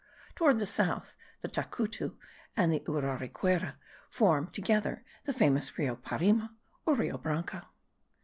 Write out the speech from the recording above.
Toward the south, the Tacutu and the Urariquera form together the famous Rio Parima, or Rio Branco.